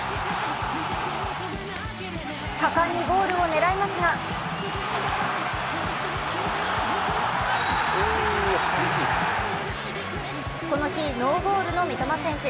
果敢にゴールを狙いますがこの日、ノーゴールの三笘選手。